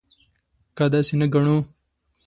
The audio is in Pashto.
که داسې نه ګڼو.